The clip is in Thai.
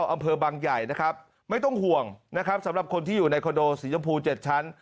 อำเภอบังใหญ่นะครับไม่ต้องห่วงนะครับสำหรับคนที่อยู่ในคอนโดสีชมพู๗ชั้น